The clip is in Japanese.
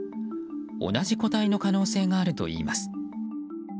同じ個体の可能性があるといいます。